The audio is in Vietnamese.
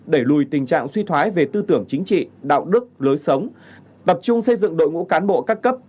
đẩy lùi tình trạng suy thoái về tư tưởng chính trị đạo đức lối sống tập trung xây dựng đội ngũ cán bộ các cấp